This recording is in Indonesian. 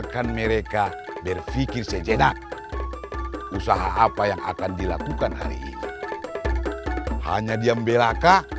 hanya dia membelaka